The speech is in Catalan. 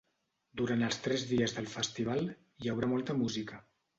Durant els tres dies del festival, hi haurà molta música.